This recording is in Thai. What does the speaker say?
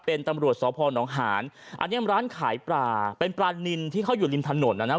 เป็นตำรวจสพนหานอันนี้ร้านขายปลาเป็นปลานินที่เขาอยู่ริมถนนนะนะ